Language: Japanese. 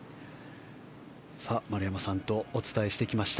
丸山さんとお伝えしてきました